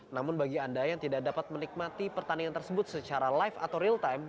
namun bagi anda yang tidak dapat menikmati pertandingan tersebut secara live atau real time